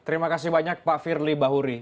terima kasih banyak pak firly bahuri